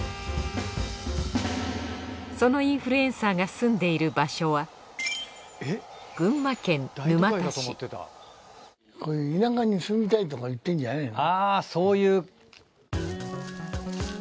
そのインフルエンサーが住んでいる場所はあそういう。